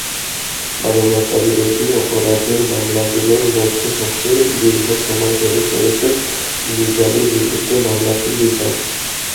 মানবতাবিরোধী অপরাধের মামলাগুলোর মধ্যে সবচেয়ে দীর্ঘ সময় ধরে চলেছে নিজামীর বিরুদ্ধে মামলাটির বিচার।